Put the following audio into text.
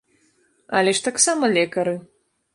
Але ж таксама лекары!